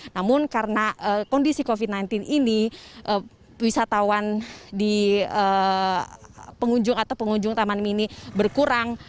namun karena kondisi covid sembilan belas ini wisatawan di pengunjung atau pengunjung taman mini berkurang